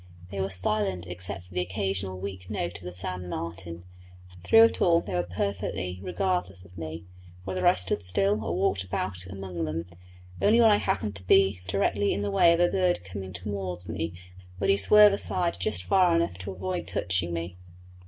They were silent except for the occasional weak note of the sand martin; and through it all they were perfectly regardless of me, whether I stood still or walked about among them; only when I happened to be directly in the way of a bird coming towards me he would swerve aside just far enough to avoid touching me.